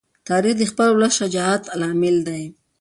تاریخ د خپل ولس د شجاعت لامل دی.